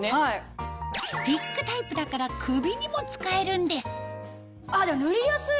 スティックタイプだから首にも使えるんです塗りやすい！